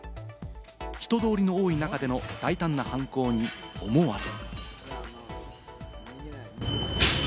人通りの多い中での大胆な犯行に思わず。